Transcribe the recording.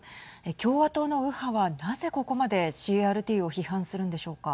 共和党の右派はなぜ、ここまでＣＲＴを批判するんでしょうか。